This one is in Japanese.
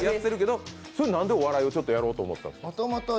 何でお笑いをやろうと思ったんですか？